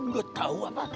gak tahu apa